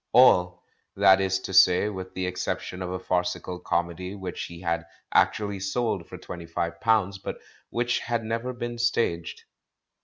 All, that is to say, with the exception of a farcical comedy which he had actually sold for twenty five pounds but which had never been staged.